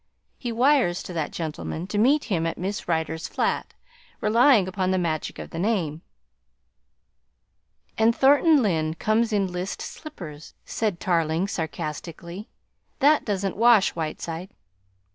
He wires to that gentleman to meet him at Miss Rider's flat, relying upon the magic of the name." "And Thornton Lyne comes in list slippers," said Tarling sarcastically. "That doesn't wash, Whiteside."